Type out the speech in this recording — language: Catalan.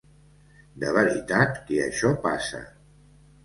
De veritat que això passa.